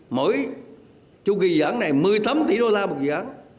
mỗi chu kỳ dự án này một mươi tám tỷ đô la một dự án